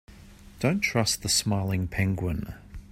Don't trust the smiling penguin.